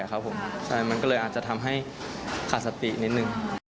ใช่มันก็เลยอาจจะทำให้ขาดสตินิดนึง